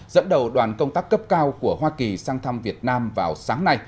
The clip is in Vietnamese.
dẫn đầu đoàn công tác cấp cao của hoa kỳ sang thăm việt nam vào sáng nay